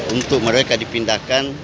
untuk mereka dipindahkan